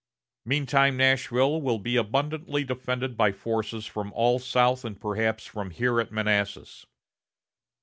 Meantime, Nashville will be abundantly defended by forces from all south and perhaps from here at Manassas.